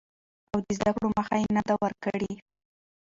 او د زده کړو مخه يې نه ده ورکړې.